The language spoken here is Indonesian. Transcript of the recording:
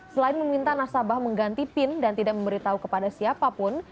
selain meminta nasabah mengganti pin dan tidak memberitahu kepada siapapun